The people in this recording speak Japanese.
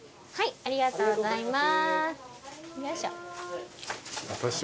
ありがとうございます。